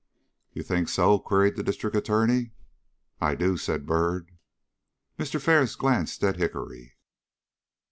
"You think so?" queried the District Attorney. "I do," said Byrd. Mr. Ferris glanced at Hickory.